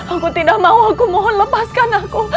aku tidak mau aku mohon lepaskan aku